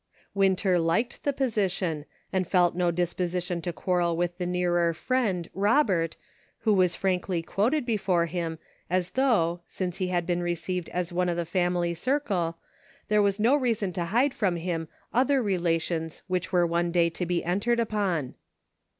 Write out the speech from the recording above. Winter liked the position, and felt no disposition to quarrel with the nearer friend " Robert," who was frankly quoted before him as though, since he had been received as one of the family circle, there was no reason to hide from him other relations which were one day to be entered upon.